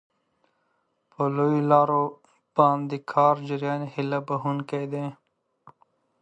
په لویو لارو باندې د کار جریان هیله بښونکی دی.